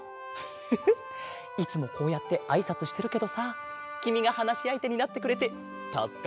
フフッいつもこうやってあいさつしてるけどさきみがはなしあいてになってくれてたすかってるよ。